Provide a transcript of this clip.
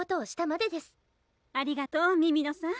ありがとう美々野さん。